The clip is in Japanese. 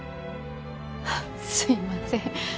フッすいません。